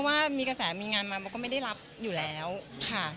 ว่ามีกระแสมีงานมามันก็ไม่ได้รับอยู่แล้วค่ะ